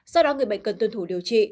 sau đó người bệnh cần tuân thủ điều trị